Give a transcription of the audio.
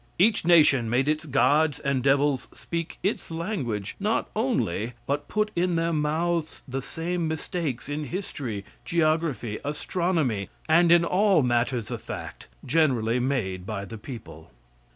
Each nation made its gods and devils speak its language not only, but put in their mouths the same mistakes in history, geography, astronomy, and in all matters of fact, generally made by the people.